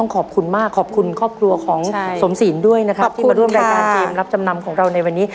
ขอบคุณมากขอบคุณครอบครัวของสมศีลด้วยนะครับที่มาร่วมรายการเกมรับจำนำของเราในวันนี้